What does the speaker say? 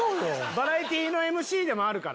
バラエティーのＭＣでもあるから。